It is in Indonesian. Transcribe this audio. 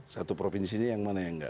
satu provinsinya yang mana yang enggak